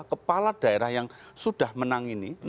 kepala daerah yang sudah menang ini